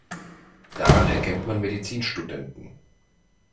Daran erkennt man Medizinstudenten.